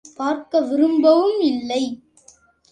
பார்க்க விரும்பவும் இல்லை.